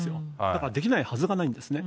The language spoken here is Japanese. だからできないはずがないんですね。